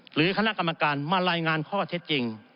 หรือคณะกรรมการมารายงานข้อเท็จจริง